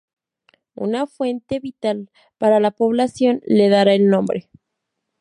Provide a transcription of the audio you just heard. Una fuente, vital para la población, le dará el nombre.